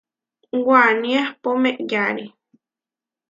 Waní ahpó meʼyare.